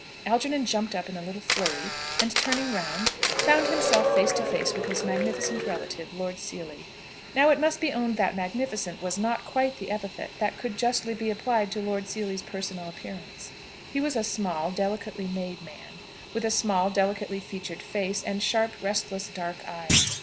Algernon jumped up in a little flurry, and, turning round, found himself face to face with his magnificent relative, Lord Seely. Now it must be owned that "magnificent" was not quite the epithet that could justly be applied to Lord Seely's personal appearance. He was a small, delicately made man, with a small, delicately featured face, and sharp, restless dark eyes.